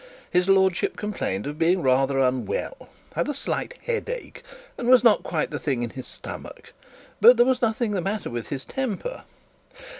His lordship complained of being rather unwell, had a slight headache, and was not quite the thing in his stomach; but there was nothing the matter with his temper.